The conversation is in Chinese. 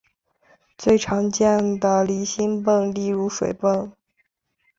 最常见的离心泵例如水泵。